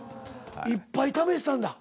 いっぱい試したんだ。